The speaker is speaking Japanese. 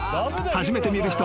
［初めて見る人。